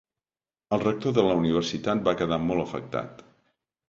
El rector de la universitat va quedar molt afectat.